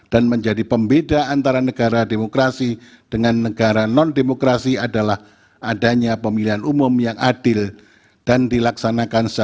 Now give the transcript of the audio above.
dan seterusnya dianggap telah dibacakan